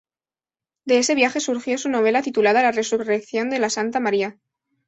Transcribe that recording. De ese viaje surgió su novela titulada ""La Resurrección de la Santa María"".